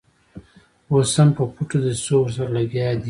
اوس هم په پټو دسیسو ورسره لګیا دي.